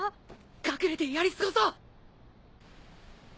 隠れてやり過ごそう。